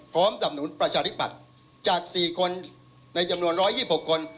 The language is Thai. พร้อมสำนุนประชาธิบัติจาก๔คนในจำนวน๑๒๖คน